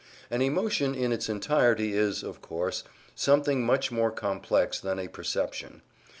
An emotion in its entirety is, of course, something much more complex than a perception.